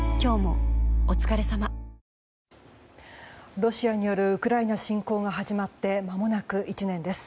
ロシアによるウクライナ侵攻が始まってまもなく１年です。